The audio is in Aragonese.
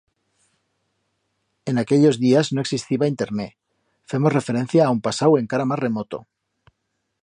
En aquellos días no existiba Internet, fermos referencia a un pasau encara mas remoto.